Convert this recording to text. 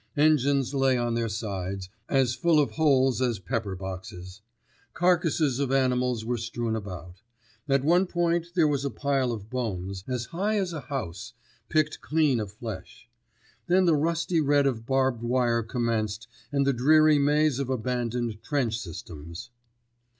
Engines lay on their sides, as full of holes as pepper boxes. Carcases of animals were strewn about. At one point there was a pile of bones, as high as a house, picked clean of flesh. Then the rusty red of barbed wire commenced and the dreary maze of abandoned trench systems.